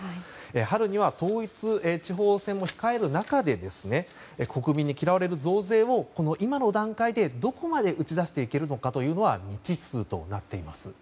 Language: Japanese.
春には統一地方選を控える中で国民に嫌われる増税を今の段階でどこまで打ち出していけるのかというのは未知数となっています。